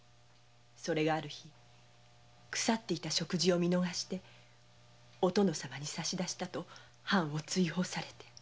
それがある日腐っていた食事を見逃してお殿様に差し出したと藩を追放されて。